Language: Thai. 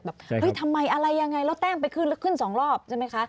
แบบเฮ้ยทำไมอะไรยังไงเราแต้งไปขึ้นแล้วขึ้น๒รอบใช่ไหมคะ